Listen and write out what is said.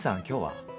今日は？